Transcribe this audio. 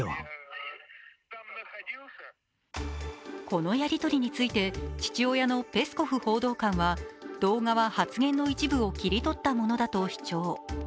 このやりとりについて父親のペスコフ報道官は動画は発言の一部を切り取ったものだと主張。